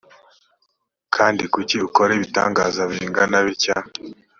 kandi kuki akora ibitangaza bingana bitya